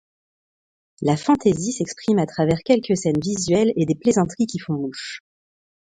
La fantaisie s'exprime à travers quelques scènes visuelles et des plaisanteries qui font mouche.